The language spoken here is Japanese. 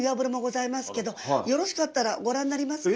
よろしかったらご覧になりますか？